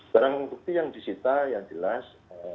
barang bukti yang disita yang jelas